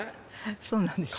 そうなんですよ。